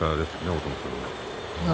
大友さんの。